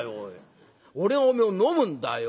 俺はおめえを飲むんだよ。